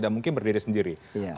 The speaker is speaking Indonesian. mungkin berdiri sendiri